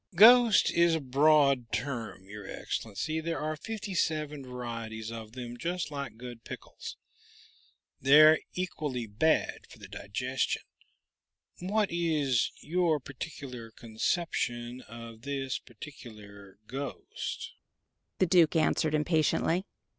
"Ghost is a broad term, your Excellency. There are fifty seven varieties of them, just like good pickles. They're equally bad for the digestion. What is your particular conception of this particular ghost?" The Duke answered impatiently.